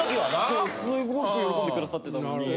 そうすっごく喜んでくださってたのに。